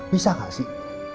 bisa gak sih